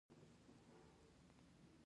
د اجرا وخت یې معین نه وي.